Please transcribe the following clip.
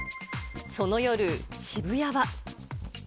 その夜、渋谷は。